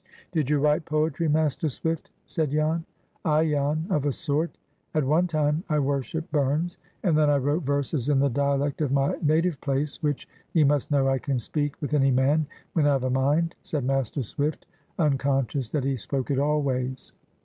"Did you write poetry, Master Swift?" said Jan. "Ay, Jan, of a sort. At one time I worshipped Burns. And then I wrote verses in the dialect of my native place, which, ye must know, I can speak with any man when I've a mind," said Master Swift, unconscious that he spoke it always.